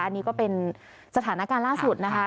อันนี้ก็เป็นสถานการณ์ล่าสุดนะคะ